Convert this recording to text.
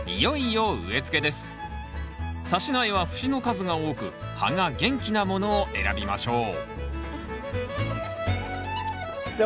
さし苗は節の数が多く葉が元気なものを選びましょうじゃあ